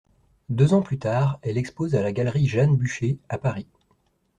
Deux ans plus tard, elle expose à la Galerie Jeanne Bucher à Paris.